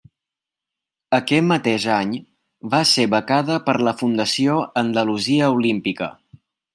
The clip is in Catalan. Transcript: Aquest mateix any va ser becada per la Fundació Andalusia Olímpica.